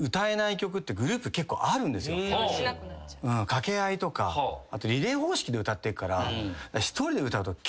掛け合いとかあとリレー方式で歌ってるから。